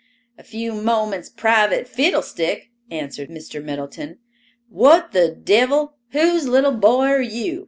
"A few moments private fiddlestick," answered Mr. Middleton. "What the devil—whose little boy are you?